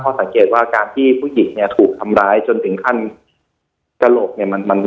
สังเกตว่าการที่ผู้หญิงเนี่ยถูกทำร้ายจนถึงขั้นกระโหลกเนี่ยมันมัน